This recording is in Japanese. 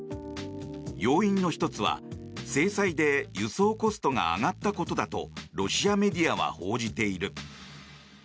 要因の１つは、制裁で輸送コストが上がったことだとロシアメディアは報じている。